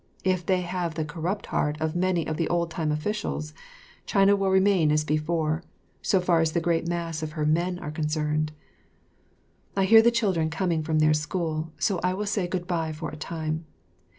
If they have the corrupt heart of many of the old time officials, China will remain as before, so far as the great mass of her men are concerned. I hear the children coming from their school, so I will say good by for a time.